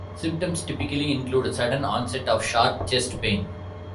Symptoms typically include sudden onset of sharp chest pain.